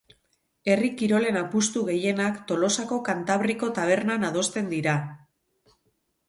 Herri kirolen apustu gehienak Tolosako Kantabriko tabernan adosten dira.